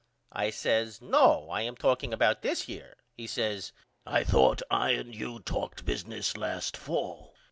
I says No I am talking about this year. He says I thought I and you talked business last fall.